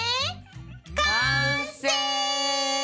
完成！